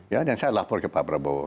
ya dan saya lapor ke pak prabowo